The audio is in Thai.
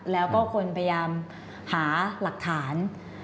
แล้วก็คนพยายามหาหลักฐาน